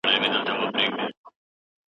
وترنري او نباتاتي درمل باید وارد شي.